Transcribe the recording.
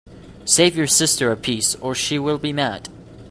Save you sister a piece, or she will be mad.